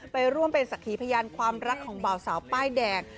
ไปร่วมเป็นสักขีพยานความรักของบ่าวสาวป้ายแดง